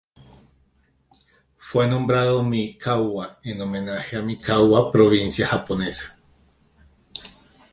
Fue nombrado Mikawa en homenaje a Mikawa provincia japonesa.